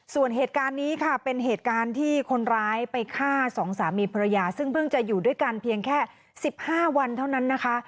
ส่วนเหตุการณ์นี้ค่ะเป็นเหตุการณ์ที่คนร้ายไปฆ่าสองสามีภรรยาซึ่งเพิ่งจะอยู่ด้วยกันเพียงแค่๑๕วันเท่านั้นนะคะ